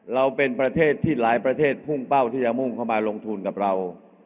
เราเป็นประเทศที่หลายประเทศพุ่งเป้าที่จะมุ่งเข้ามาลงทุนกับเรา